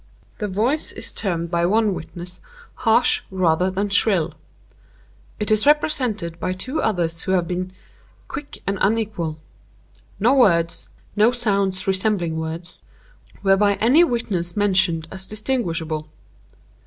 The voice is termed by one witness 'harsh rather than shrill.' It is represented by two others to have been 'quick and unequal.' No words—no sounds resembling words—were by any witness mentioned as distinguishable.